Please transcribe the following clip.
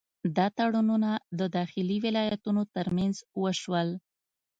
دا تړونونه د داخلي ولایتونو ترمنځ وشول.